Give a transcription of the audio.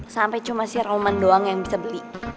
sampai cuma si roman doang yang bisa beli